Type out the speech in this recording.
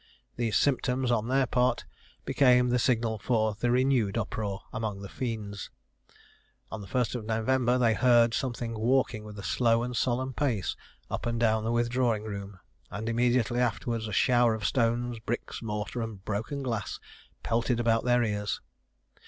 These symptoms on their part became the signal for renewed uproar among the fiends. On the 1st of November, they heard something walking with a slow and solemn pace up and down the withdrawing room, and immediately afterwards a shower of stones, bricks, mortar, and broken glass pelted about their ears.